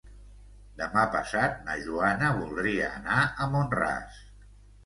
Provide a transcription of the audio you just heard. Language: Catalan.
Demà passat na Joana voldria anar a Mont-ras.